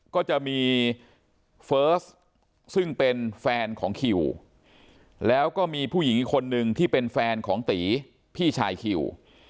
ก็จะมีเฟิร์สซึ่งเป็นแฟนของคิวแล้วก็มีผู้หญิงอีกคนนึงที่เป็นแฟนของตีพี่ชายคิว